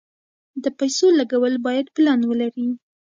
د پیسو لګول باید پلان ولري.